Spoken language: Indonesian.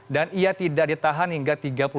dan ia tidak ditahan hingga tiga puluh satu